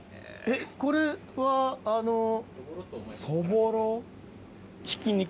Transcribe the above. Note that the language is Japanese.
えっこれはあの。